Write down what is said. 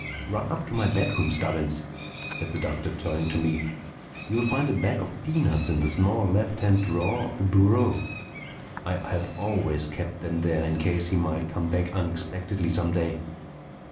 "Run up to my bedroom, Stubbins," said the Doctor, turning to me. "You'll find a bag of peanuts in the small left hand drawer of the bureau. I have always kept them there in case he might come back unexpectedly some day.